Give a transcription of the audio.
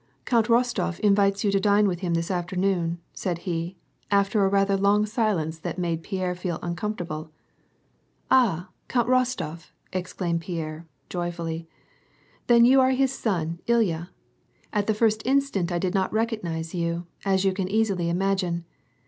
"Count Rostof invites you to dine with him this afternoon," said he, after a rather long silence that made Pierre feel uncomfortable. "Ah! Count Rostof," exclaimed Pierre, joyfully. "Then you are his son Ilya. At the first instant I did not recognize you, as you can easily imagine.